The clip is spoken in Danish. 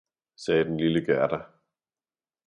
sagde den lille Gerda.